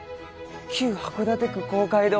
旧函館区公会堂。